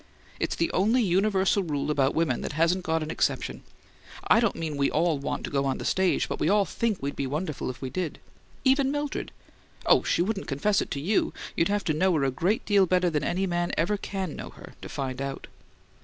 It's the only universal rule about women that hasn't got an exception. I don't mean we all want to go on the stage, but we all think we'd be wonderful if we did. Even Mildred. Oh, she wouldn't confess it to you: you'd have to know her a great deal better than any man can ever know her to find out."